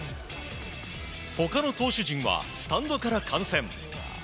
他の投手陣はスタンドから観戦。